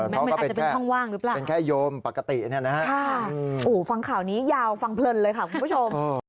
มันก็เป็นแค่โยมปกติเนี่ยนะฮะค่ะอู๋ฟังข่าวนี้ยาวฟังเพลินเลยค่ะคุณผู้ชม